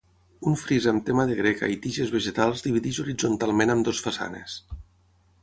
Un fris amb tema de greca i tiges vegetals divideix horitzontalment ambdues façanes.